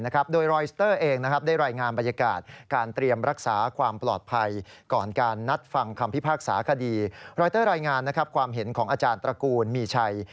ก็ได้รายงานนะครับความเห็นของอาจารย์ตระกูลมีชัย